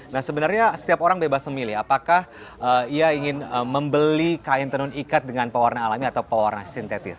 nah sebenarnya setiap orang bebas memilih apakah ia ingin membeli kain tenun ikat dengan pewarna alami atau pewarna sintetis